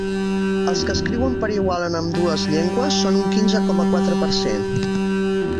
Els que escriuen per igual en ambdues llengües són un quinze coma quatre per cent.